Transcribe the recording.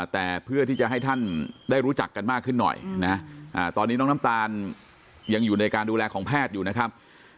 แต่เพื่อที่จะให้ท่านได้รู้จักกันมากขึ้นหน่อยนะตอนนี้น้องน้ำตาลยังอยู่ในการดูแลของแพทย์อยู่นะครับ